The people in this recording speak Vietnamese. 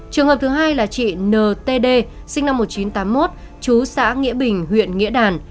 trường hợp thứ hai là chị ntd sinh năm một nghìn chín trăm tám mươi một chú xã nghĩa bình huyện nghĩa đàn